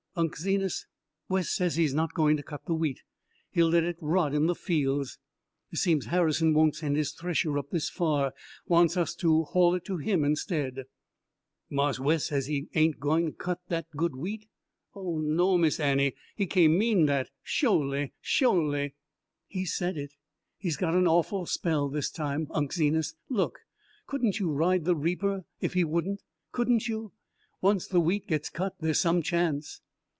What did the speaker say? "Unc' Zenas, Wes says he's not going to cut the wheat; he'll let it rot in the fields. Seems Harrison won't send his thresher up this far; wants us to haul to him instead." "Marse Wes say he ain' gwine cut dat good wheat? Oh, no Miss Annie, he cain' mean dat, sholy, sholy!" "He said it. He's got an awful spell this time. Unc' Zenas look couldn't you ride the reaper if he wouldn't? Couldn't you? Once the wheat gets cut there's some chance."